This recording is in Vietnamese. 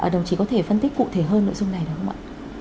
đồng chí có thể phân tích cụ thể hơn nội dung này đúng không ạ